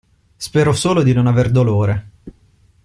Spero solo di non avere dolore.